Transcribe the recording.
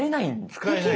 使えない。